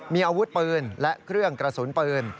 มีอาวุธปืนและเครื่องกระสุนปืน